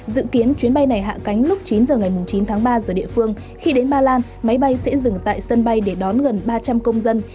dự kiến chuyến bay này hạ cánh lúc chín giờ ngày chín tháng ba giờ địa phương khi đến ba lan máy bay sẽ dừng tại sân bay để đón gần ba trăm linh công dân